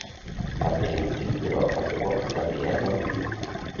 Van tenir un fill però al cap de poc, Gabriel va morir.